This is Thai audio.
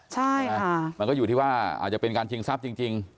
ใช่ค่ะมันก็อยู่ที่ว่าอาจจะเป็นการชิงทรัพย์จริง